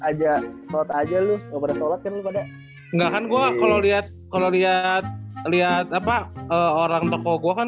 aja aja lu nggak ada sholat nggak kan gua kalau lihat kalau lihat lihat apa orang toko gua kan